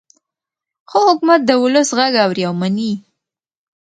ښه حکومت د ولس غږ اوري او مني.